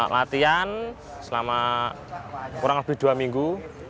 latihan selama kurang lebih dua minggu